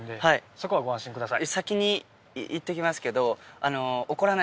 そこはご安心ください。